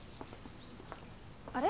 あれ？